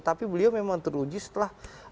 tapi beliau memang teruji setelah